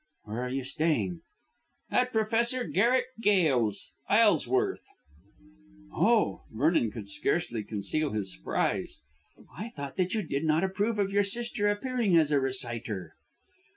"Where are you staying?" "At Professor Garrick Gail's, Isleworth." "Oh!" Vernon could scarcely conceal his surprise. "I thought that you did not approve of your sister appearing as a reciter?"